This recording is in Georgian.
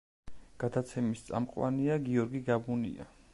გადაცემის წამყვანია გიორგი გაბუნია.